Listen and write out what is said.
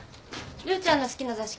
涼ちゃんの好きな雑誌